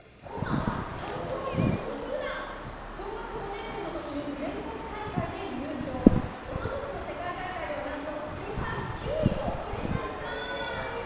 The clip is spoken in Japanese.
こまは最高位の６段小学６年生のときに全国大会で優勝、おととしの世界大会ではなんと世界９位を取りました。